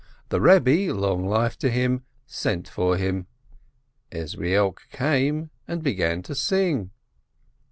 The Rebbe, long life to him, sent for him. Ezrielk came and began to sing.